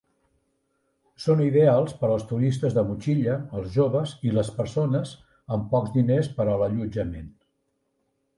Són ideals per als turistes de motxilla, els joves i les persones amb pocs diners per a l'allotjament.